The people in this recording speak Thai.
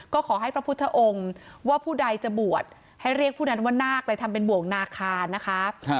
ก็ขอให้พระพุทธองค์ว่าผู้ใดจะบวชให้เรียกผู้นั้นว่านาคไปทำเป็นบ่วงนาคารนะคะ